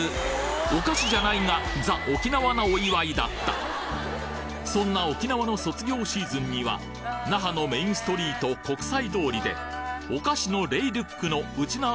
お菓子じゃないがザ・沖縄なお祝いだったそんな沖縄の卒業シーズンには那覇のメインストリート国際通りでお菓子のレイルックのウチナー